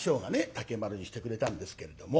竹丸にしてくれたんですけれども。